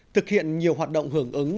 thực hiện nhiều hoạt động hưởng ứng